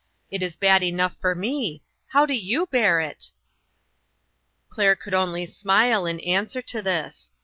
It is bad enough for me. How do you bear it?" Claire could only smile in answer to this.